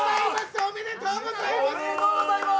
おめでとうございます！